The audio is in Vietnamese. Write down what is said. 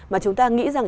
mà chúng ta nghĩ rằng